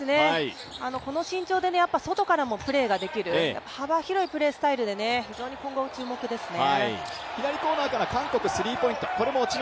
この身長で外からもプレーができる、幅広いプレースタイルで非常に今後注目ですね。